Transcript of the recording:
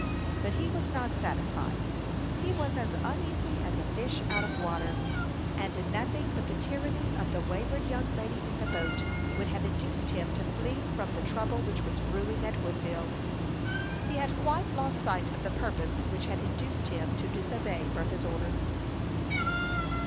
But he was not satisfied; he was as uneasy as a fish out of water; and nothing but the tyranny of the wayward young lady in the boat would have induced him to flee from the trouble which was brewing at Woodville. He had quite lost sight of the purpose which had induced him to disobey Bertha's orders.